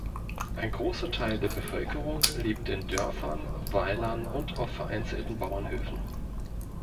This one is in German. Ein großer Teil der Bevölkerung lebt in Dörfern, Weilern und auf vereinzelten Bauernhöfen.